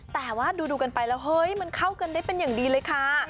แต่ว่าดูกันไปแล้วเฮ้ยมันเข้ากันได้เป็นอย่างดีเลยค่ะ